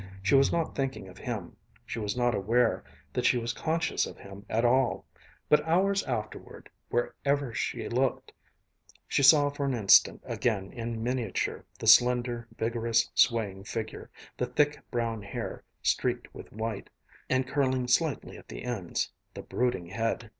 She was not thinking of him, she was not aware that she was conscious of him at all; but hours afterward wherever she looked, she saw for an instant again in miniature the slender, vigorous, swaying figure; the thick brown hair, streaked with white and curling slightly at the ends; the brooding head....